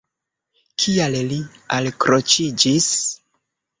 Kial li alkroĉiĝis?